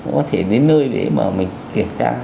có thể đến nơi để mà mình kiểm tra